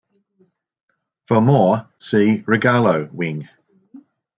For more, see rogallo wing.